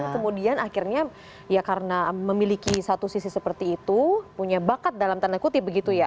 kemudian akhirnya ya karena memiliki satu sisi seperti itu punya bakat dalam tanda kutip begitu ya